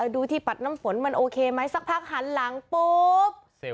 ดูที่ปัดน้ำฝนมันโอเคไหมสักพักหันหลังปุ๊บ